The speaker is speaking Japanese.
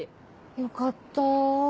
よかった。